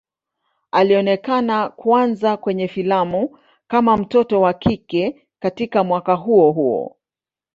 Alionekana kwanza kwenye filamu kama mtoto wa kike katika mwaka huo huo.